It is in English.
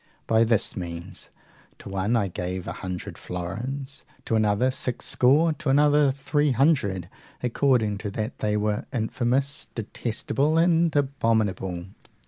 By this means, to one I gave a hundred florins, to another six score, to another three hundred, according to that they were infamous, detestable, and abominable.